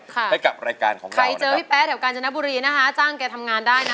ให้กับรายการของเราใครเจอพี่แป๊ะแถวกาญจนบุรีนะคะจ้างแกทำงานได้นะ